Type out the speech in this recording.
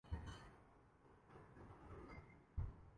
وزیر داخلہ کی دینی حمیت تو ہر شک و شبہ سے پاک ہے۔